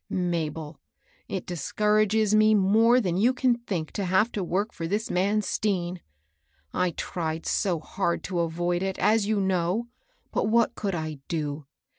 ^^ Mabel, it discourages me more than you can think to have to work for this man Stean. I tried so hard to avoid it, as you know. But what could I do